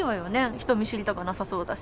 人見知りとかなさそうだし。